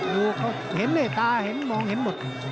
ดูเขาเห็นด้วยตาเห็นมองเห็นหมด